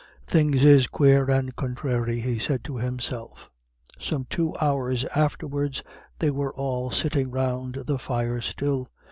"Things is quare and conthráry," he said to himself. Some two hours afterwards they were all sitting round the fire still.